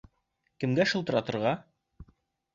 Кемгә шылтыратырға?